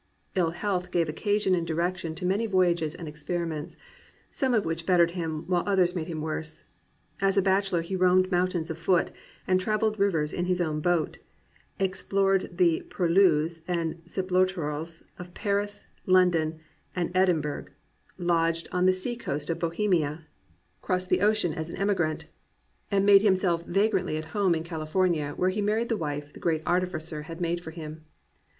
'* Ill health gave occasion and direction to many voyages and experiments, some of which bettered him, while others made him worse. As a bachelor he roamed mountains afoot and travelled rivers in his own boat, explored the purlieus and subUttorals of Paris, London, and Edinburgh, lodged "on the seacoast of Bohemia," crossed the ocean as an emi 363 COMPANIONABLE BOOKS grant, and made himself vagrantly at home in Cali fornia where he married the wife "the great Artificer made for him."